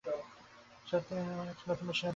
সত্যিই তোমার একটা নতুন মেশিনের দরকার।